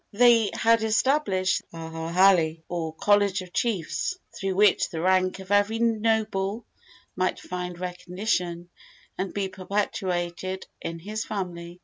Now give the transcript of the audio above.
They had established the Aha alii, or college of chiefs, through which the rank of every noble might find recognition, and be perpetuated in his family.